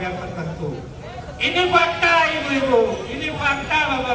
aku tahu ada satu orang yang exhale